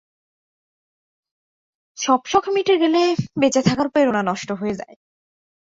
সব শখ মিটে গেলে বেঁচে থাকার প্রেরণা নষ্ট হয়ে যায়।